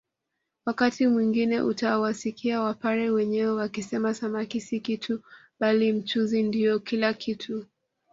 Wakati mwingine utawasikia wapare wenyewe wakisema samaki si kitu bali mchuzi ndio kila kitu